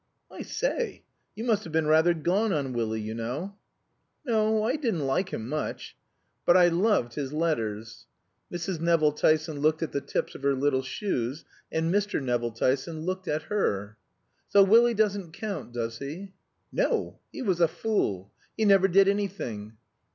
"I say you must have been rather gone on Willie, you know." "No. I didn't like him much. But I loved his letters." Mrs. Nevill Tyson looked at the tips of her little shoes, and Mr. Nevill Tyson looked at her. "So Willie doesn't count, doesn't he?" "No. He was a fool. He never did anything.